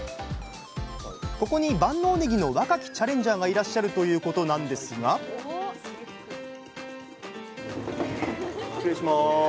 ここに万能ねぎの若きチャレンジャーがいらっしゃるということなんですが失礼します。